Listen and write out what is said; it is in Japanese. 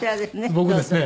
僕ですね。